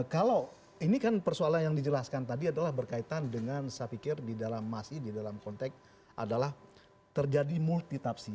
kalau ini kan persoalan yang dijelaskan tadi adalah berkaitan dengan saya pikir di dalam masih di dalam konteks adalah terjadi multitapsi